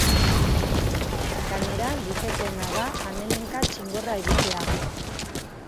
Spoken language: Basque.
Gainera, litekeena da han-hemenka txingorra egitea.